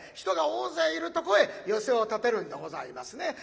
人が大勢いるとこへ寄席を建てるんでございますね。